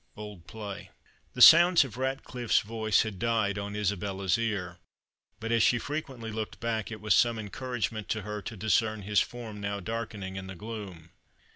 OLD PLAY. The sounds of Ratcliffe's voice had died on Isabella's ear; but as she frequently looked back, it was some encouragement to her to discern his form now darkening in the gloom.